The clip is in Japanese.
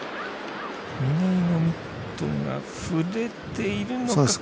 嶺井のミットが振れているのか。